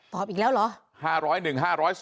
อีกแล้วเหรอ